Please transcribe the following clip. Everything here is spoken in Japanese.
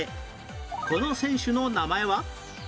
この選手の名前は？